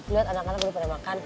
lihat anak anak udah pernah makan